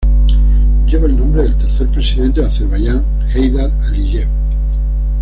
Lleva el nombre del tercer Presidente de Azerbaiyán, Heydar Aliyev.